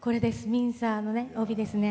ミンサーの帯です。